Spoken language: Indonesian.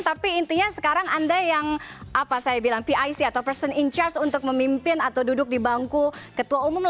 tapi intinya sekarang anda yang apa saya bilang pic atau person in charge untuk memimpin atau duduk di bangku ketua umum